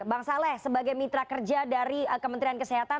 bang saleh sebagai mitra kerja dari kementerian kesehatan